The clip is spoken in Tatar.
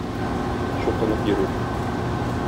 Чукынып йөрү.